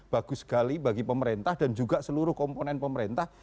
bagus sekali bagi pemerintah dan juga seluruh komponen pemerintah